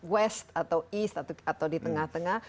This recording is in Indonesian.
west atau east atau di tengah tengah